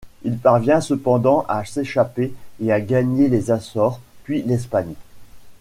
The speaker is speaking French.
Il parvient cependant à s'échapper, et à gagner les Açores, puis l'Espagne.